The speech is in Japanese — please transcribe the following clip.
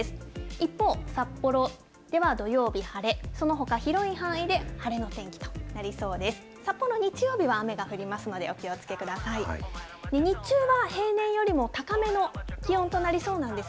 一方、札幌では土曜日晴れ、そのほか広い範囲で晴れの天気となりそうです。